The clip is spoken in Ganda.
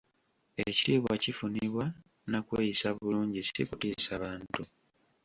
Ekitiibwa kifunibwa na kweyisa bulungi si kutiisa bantu.